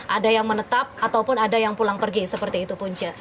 ada yang menetap ataupun ada yang pulang pergi seperti itu punca